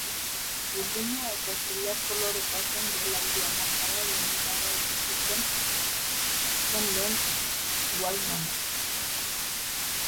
Urdina eta zilar kolorekoa zen duela hiru hamarkada dendetara iritsi zen lehen walkmana.